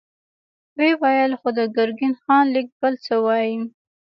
ويې ويل: خو د ګرګين خان ليک بل څه وايي.